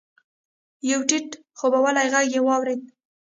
يو ټيټ خوبولی ږغ يې واورېد.